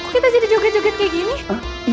kita jadi joget joget kayak gini